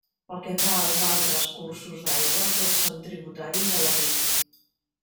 Pel que fa als altres cursos d'aigua, tots són tributaris de l'Aglí.